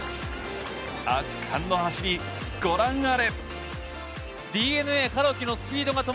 圧巻の走り、ご覧あれ。